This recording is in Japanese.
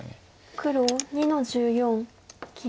黒２の十四切り。